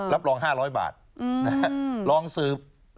รับรอง๕๐๐บาทลองสืบ